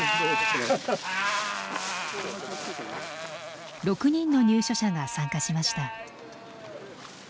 ６人の入所者が参加しました。